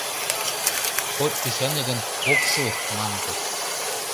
— От ӱшане гын, ок шу, манытыс.